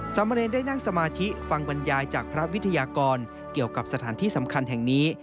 สามเณรได้นั่งสมาธิฟังบรรยายจากพระวิทยากรเกี่ยวกับสถานที่สำคัญแห่งนี้